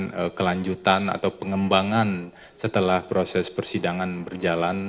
dan ini merupakan kelanjutan atau pengembangan setelah proses persidangan berjalan